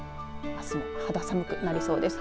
あすも肌寒くなりそうです。